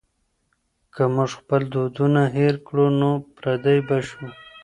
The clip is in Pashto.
که موږ خپل دودونه هېر کړو نو پردي به شو.